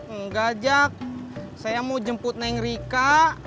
enggak jack saya mau jemput naik rika